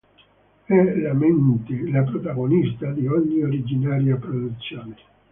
È la Mente la protagonista di ogni originaria produzione.